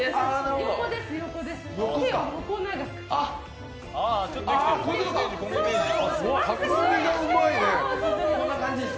横です、横です。